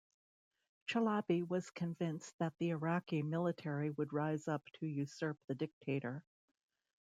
Chalabi was convinced that the Iraqi military would rise up to usurp the dictator.